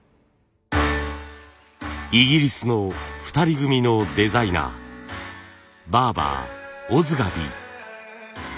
イギリスの２人組のデザイナーバーバーオズガビー。